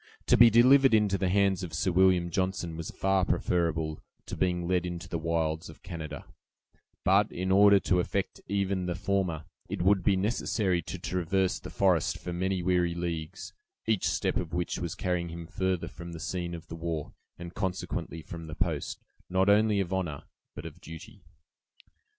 To be delivered into the hands of Sir William Johnson was far preferable to being led into the wilds of Canada; but in order to effect even the former, it would be necessary to traverse the forest for many weary leagues, each step of which was carrying him further from the scene of the war, and, consequently, from the post, not only of honor, but of duty.